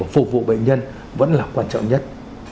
phục vụ bệnh nhân vẫn là quan trọng nhất